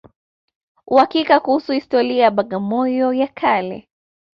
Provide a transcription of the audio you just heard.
Uhakika kuhusu historia ya Bagamoyo ya kale